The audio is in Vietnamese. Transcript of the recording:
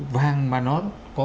vàng mà nó có